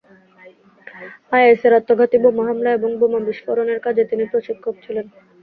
আইএসের আত্মঘাতী বোমা হামলা এবং বোমা বিস্ফোরণের কাজে তিনি প্রশিক্ষক ছিলেন।